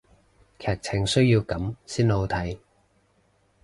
劇情需要噉先好睇